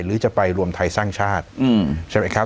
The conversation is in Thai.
หรือจะไปรวมไทยสร้างชาติใช่ไหมครับ